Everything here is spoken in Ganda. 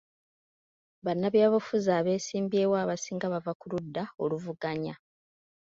Bannabyabufuzi abeesimbyewo abasinga bava ku ludda luvuganya.